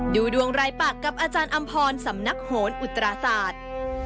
ดูดวงรายปากกับอาจารย์อำพรสำนักโหนอุตราศาสตร์